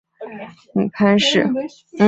母潘氏。